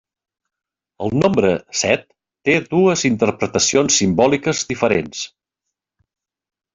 El nombre set té dues interpretacions simbòliques diferents.